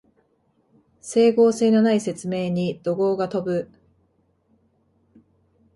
整合性のない説明に怒声が飛ぶ